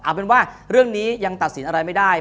เอาเป็นว่าเรื่องนี้ยังตัดสินอะไรไม่ได้